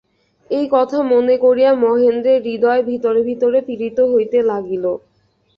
এই কথা মনে করিয়া মহেন্দ্রের হৃদয় ভিতরে ভিতরে পীড়িত হইতে লাগিল।